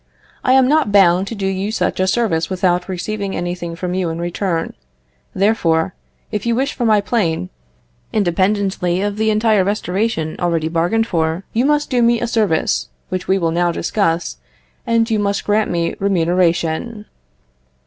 I am not bound to do you such a service without receiving anything from you in return: therefore, if you wish for my plane, independently of the entire restoration already bargained for, you must do me a service which we will now discuss; you must grant me remuneration.